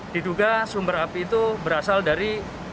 diduga sumber api itu berasal dari